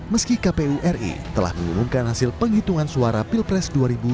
meski kpu ri telah mengumumkan hasil penghitungan suara pilpres dua ribu dua puluh